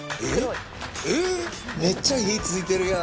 めっちゃ火、ついてるやん！